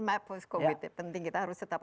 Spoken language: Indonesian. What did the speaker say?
map post covid penting kita harus tetap